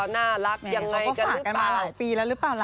น่ารักยังไงกันหรือเปล่า